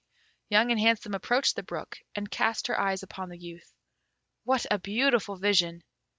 Young and Handsome approached the brook, and cast her eyes upon the youth. What a beautiful vision!